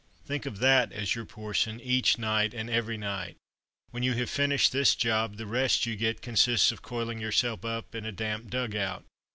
Think of that as your portion each night and every night. When you have finished this job, the rest you get consists of coiling yourself up in a damp dug out.